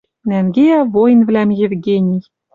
Нӓнгеӓ воинвлӓм Евгений